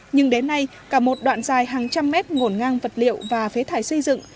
nhưng đến nay cả một đoạn dài hàng trăm mét ngổn ngang vật liệu và phế thải xây dựng